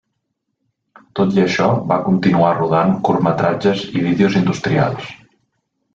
Tot i això, va continuar rodant curtmetratges i vídeos industrials.